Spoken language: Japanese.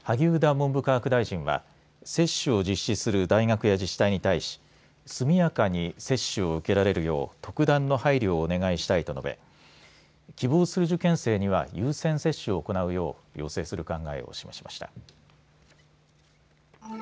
文部科学大臣は接種を実施する大学や自治体に対し速やかに接種を受けられるよう特段の配慮をお願いしたいと述べ、希望する受験生には優先接種を行うよう要請する考えを示しました。